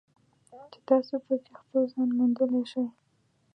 چې تاسو پکې خپل ځان موندلی شئ.